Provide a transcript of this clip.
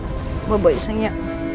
kebobo yuk sing ya